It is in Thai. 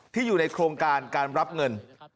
อยู่ในโครงการการรับเงิน